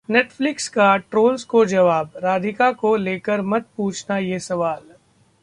Netflix का trolls को जवाब, राधिका को लेकर मत पूछना ये सवाल